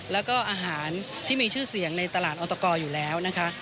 และอาหารที่มีชื่อเสียงในตลาดอตก